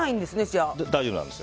大丈夫なんです。